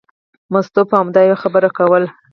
مستو به همدا یوه خبره کوله.